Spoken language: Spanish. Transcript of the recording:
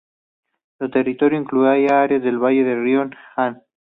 Su territorio incluía áreas del valle del río Han.